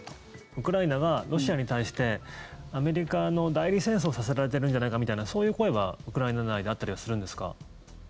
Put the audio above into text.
ウクライナがロシアに対して、アメリカの代理戦争させられてるんじゃないかみたいなそういう声はウクライナ内であったりはするんですか？